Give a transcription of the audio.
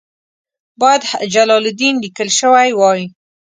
باید جلال الدین لیکل شوی وای.